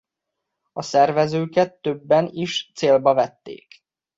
A szervezőket többen is célba vették.